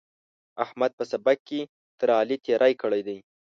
احمد په سبق کې تر علي تېری کړی دی.